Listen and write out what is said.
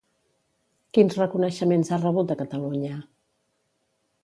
Quins reconeixements ha rebut a Catalunya?